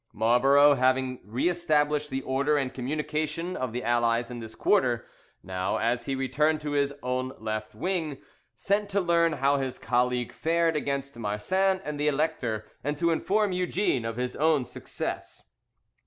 Marlborough having re established the order and communication of the Allies in this quarter, now, as he returned to his own left wing, sent to learn how his colleague fared against Marsin and the Elector, and to inform Eugene of his own success.